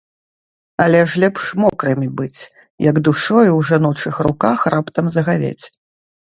Але ж лепш мокрымі быць, як душою ў жаночых руках раптам загавець.